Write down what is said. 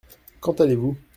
Quand allez-vous ?